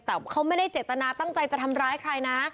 แต่เขาไม่ได้เจตนาตั้งใจจะทำร้ายใครนะ